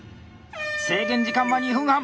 制限時間は２分半。